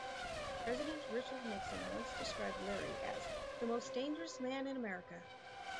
President Richard Nixon once described Leary as "the most dangerous man in America".